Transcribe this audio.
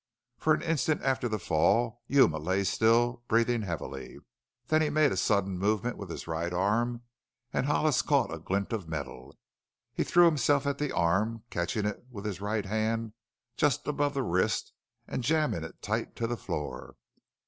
For an instant after the fall Yuma lay still, breathing heavily. Then he made a sudden movement with his right arm and Hollis caught a glint of metal. He threw himself at the arm, catching it with his right hand just above the wrist and jamming it tight to the floor.